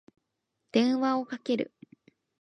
電話をかける。